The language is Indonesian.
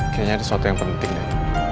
kayaknya ada sesuatu yang penting deh